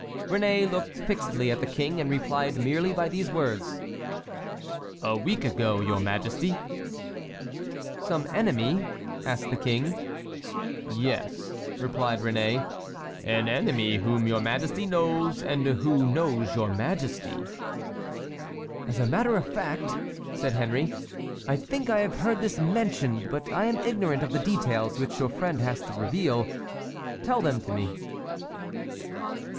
Réné looked fixedly at the king, and replied merely by these words: "A week ago, your majesty." "Some enemy?" asked the king. "Yes," replied Réné, "an enemy whom your majesty knows and who knows your majesty." "As a matter of fact," said Henry, "I think I have heard this mentioned, but I am ignorant of the details which your friend has to reveal. Tell them to me."